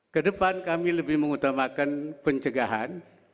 kedepan kami lebih mengutamakan pencegahan